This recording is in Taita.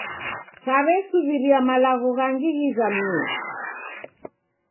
Saw'esuw'iria malagho ghangi ghizamie